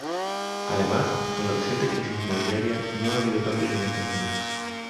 Además, con la reciente crisis inmobiliaria no ha habido cambios en estos números.